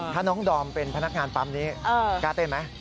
ถ้าน้องดอมเป็นพนักงานปั๊มนี้กล้าเต้นไหม